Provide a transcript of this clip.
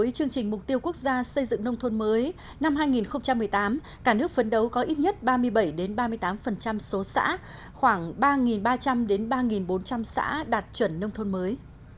với chương trình mục tiêu quốc gia xây dựng nông thôn mới năm hai nghìn một mươi tám cả nước phấn đấu có ít nhất ba mươi bảy ba mươi tám số xã khoảng ba ba trăm linh ba bốn trăm linh xã đạt chuẩn nông thôn mới